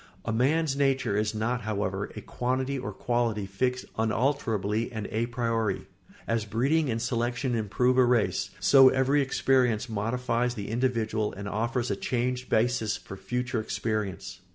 ] A man's nature is not, however, a quantity or quality fixed unalterably and a priori. As breeding and selection improve a race, so every experience modifies the individual and offers a changed basis for future experience.